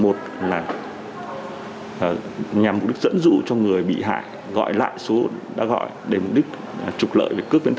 một là nhằm mục đích dẫn dụ cho người bị hại gọi lại số đã gọi để mục đích trục lợi